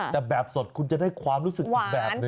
แต่แบบสดคุณจะได้ความรู้สึกอีกแบบหนึ่ง